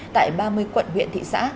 tại ba mươi quận huyện thị xã